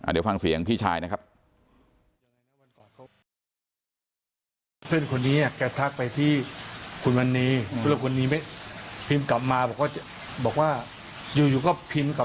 เดี๋ยวฟังเสียงพี่ชายนะครับ